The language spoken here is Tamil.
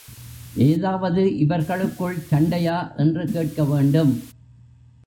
ஏதாவது இவர்களுக்குள் சண்டையா என்று கேட்கவேண்டும்.